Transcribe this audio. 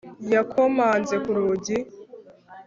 Yakomanze ku rugi